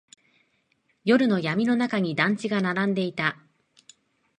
夜の闇の中に団地が並んでいた。